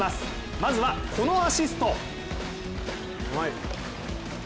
まずはこのアシスト。